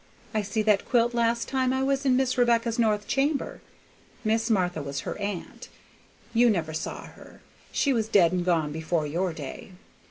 I see that quilt last time I was in Miss Rebecca's north chamber. Miss Martha was her aunt; you never saw her; she was dead and gone before your day.